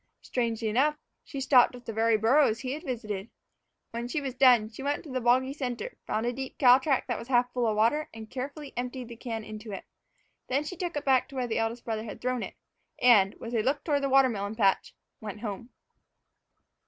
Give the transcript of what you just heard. Strangely enough, she stopped at the very burrows he had visited. When she was done, she went to the boggy center, found a deep cow track that was half full of water, and carefully emptied the can into it. Then she took it back to where the eldest brother had thrown it, and, with a look toward the watermelon patch, went home.